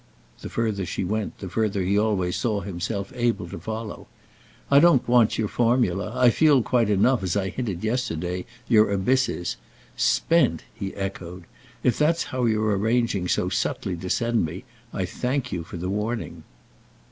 The further she went the further he always saw himself able to follow. "I don't want your formula—I feel quite enough, as I hinted yesterday, your abysses. Spent!" he echoed. "If that's how you're arranging so subtly to send me I thank you for the warning."